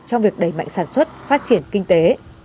trong việc đẩy mạnh sản xuất phát triển kinh tế